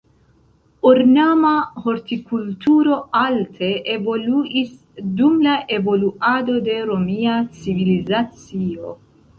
Ornama hortikulturo alte evoluis dum la evoluado de romia civilizacio.